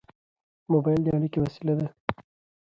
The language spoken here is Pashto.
موبایل د اړیکې وسیله ده.